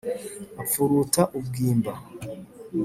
apfuruta ubwimba